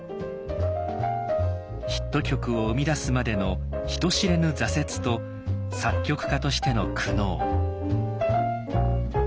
ヒット曲を生み出すまでの人知れぬ挫折と作曲家としての苦悩。